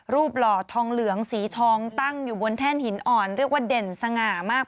หล่อทองเหลืองสีทองตั้งอยู่บนแท่นหินอ่อนเรียกว่าเด่นสง่ามาก